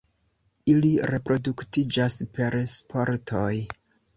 Ili reproduktiĝas per sporoj.